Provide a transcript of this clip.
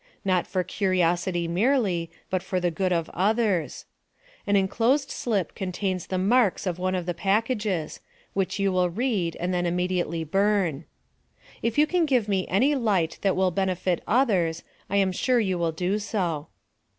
Not for curiosity merely, but for the good of others. An enclosed slip contains the marks of one of the packages, which you will read and then immediately burn. If you can give me any light that will benefit others, I am sure you will do so.